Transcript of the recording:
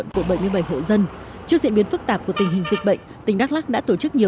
như bệnh hộ dân trước diễn biến phức tạp của tình hình dịch bệnh tỉnh đắk lắk đã tổ chức nhiều